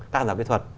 khán giả kỹ thuật